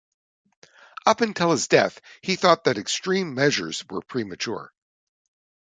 Up until his death, he thought that extreme measures were premature.